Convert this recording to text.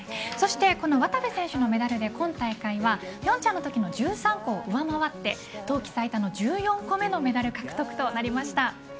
そして渡部選手のメダルで今大会は平昌のときの１３個を上回って冬季最多の１４個目獲得となりました。